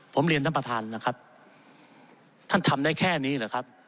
ผมเรียนท่านประธานนะครับท่านทำได้แค่นี้เหรอครับ